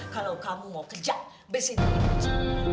kalau kamu mau kerja bersihin dulu di kucing